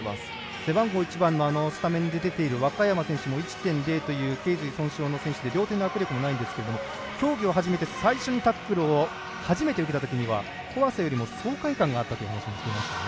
背番号１番のスタメンに出ている若山選手も１．０というけい椎損傷の選手で両手の握力もないんですけど競技を受けてタックルを初めて受けたときには怖さより爽快感があったと。